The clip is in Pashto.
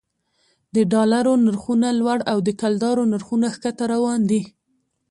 د ډالرو نرخونه لوړ او د کلدارو نرخونه ښکته روان دي